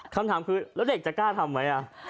คำถามคือแล้วเด็กจะกล้าทำไหม